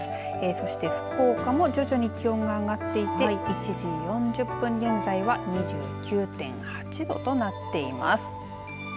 そして福岡も徐々に気温が上がっていて１時４０分現在は２９．８度となっています。